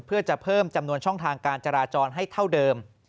เพื่อจะเพิ่มจำนวนช่องทางการจราจรให้เท่าเดิม